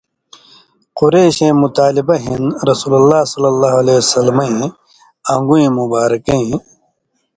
قُرېشَیں مُطالبہ ہِن رسول اللہ ص وسلّمَیں ان٘گُوۡئ مبارکَیں